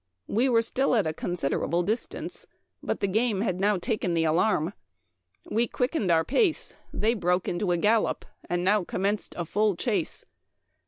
We were still at a considerable distance, but the game had taken the alarm. We quickened our pace, they broke into a gallop, and now commenced a full chase.